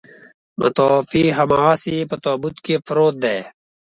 متوفي هماغسې په تابوت کې پروت دی.